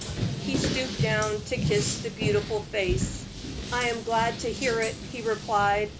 He stooped down to kiss the beautiful face. "I am glad to hear it," he replied.